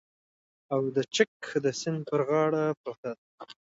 او د چک د سیند په غاړه پرته ده